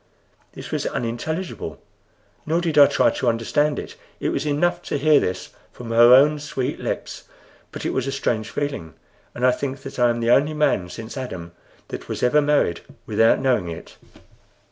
This was unintelligible, nor did I try to understand it. It was enough to hear this from her own sweet lips; but it was a strange feeling, and I think I am the only man since Adam that ever was married without knowing it.